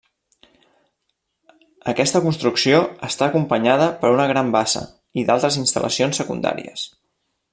Aquesta construcció està acompanyada per una gran bassa i d'altres instal·lacions secundàries.